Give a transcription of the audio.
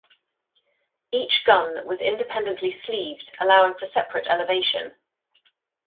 Each gun was independently sleeved allowing for separate elevation.